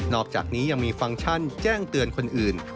อกจากนี้ยังมีฟังก์ชั่นแจ้งเตือนคนอื่น